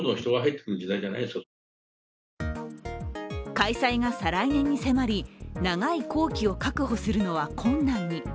開催が再来年に迫り、長い工期を確保するのは困難に。